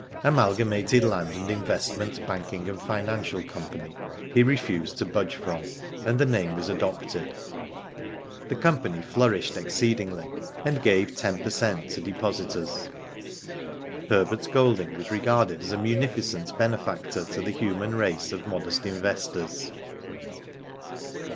Amalgamated Land and Investment Banking and Financial Company he refused to budge from, and the name was adopted. The company flourished exceedingly, and gave ten per cent, to depositors. Herbert Golding was regarded as a munificent benefactor to the human race of modest investors.